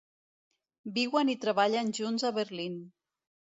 Viuen i treballen junts a Berlín.